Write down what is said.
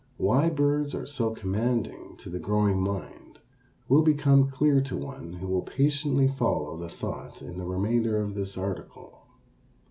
Why birds are so commanding to the growing mind will become clear to one who will patiently follow the thought in the remainder of this article.